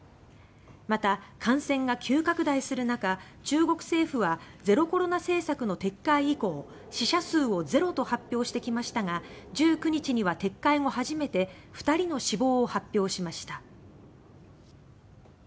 また、感染が急拡大する中中国政府はゼロコロナ政策の撤回以降死者数をゼロと発表してきましたが１９日には撤回後初めて２人の死亡を発表しました。